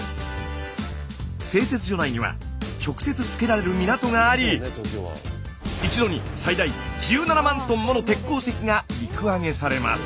製鉄所内には直接着けられる港があり一度に最大１７万ｔもの鉄鉱石が陸揚げされます。